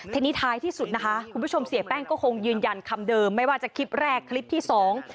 ทีนี้ท้ายที่สุดนะคะคุณผู้ชมเสียแป้งก็คงยืนยันคำเดิมไม่ว่าจะคลิปแรกคลิปที่สอง